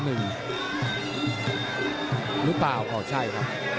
หรือเปล่าอ๋อใช่ครับ